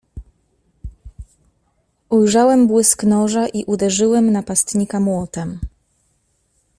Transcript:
"Ujrzałem błysk noża i uderzyłem napastnika młotem."